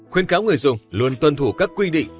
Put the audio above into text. khuyên cáo người dùng luôn tuân thủ các quy định